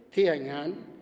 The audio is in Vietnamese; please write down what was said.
thi hành án